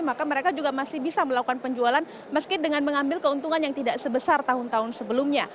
maka mereka juga masih bisa melakukan penjualan meski dengan mengambil keuntungan yang tidak sebesar tahun tahun sebelumnya